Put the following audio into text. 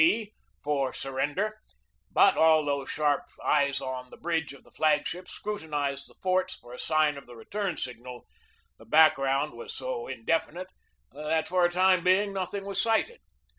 B." for "Surrender"; but, although sharp eyes on the bridge of the flag ship scrutinized the forts for a sign of the return signal, the back ground was so indefinite that for a time nothing was THE TAKING OF MANILA 279 sighted.